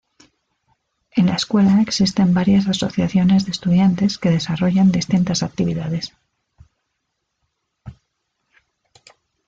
En la Escuela existen varias asociaciones de estudiantes que desarrollan distintas actividades.